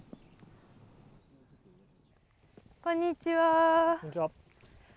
こんにちは。